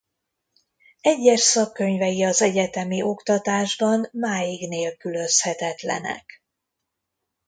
Egyes szakkönyvei az egyetemi oktatásban máig nélkülözhetetlenek.